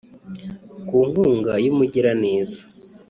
Ku nkunga y’umugiraneza